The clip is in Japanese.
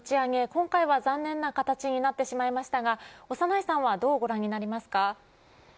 今回は残念な形になってしまいましたが長内さんはどうご覧になりますか。